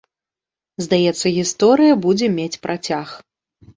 Здаецца, гісторыя будзе мець працяг.